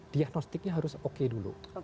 diagnostiknya harus oke dulu